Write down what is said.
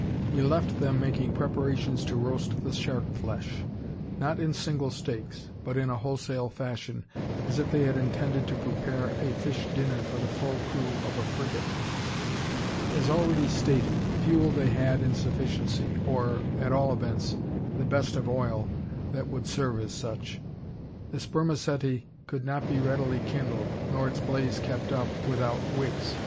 We left them making preparations to roast the shark flesh, not in single steaks, but in a wholesale fashion, as if they had intended to prepare a "fish dinner" for the full crew of a frigate. As already stated, fuel they had in sufficiency; or, at all events, the best of oil, that would serve as such. The spermaceti could not be readily kindled, nor its blaze kept up, without wicks.